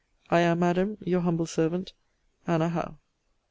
I am, Madam, Your humble servant, ANNA HOWE.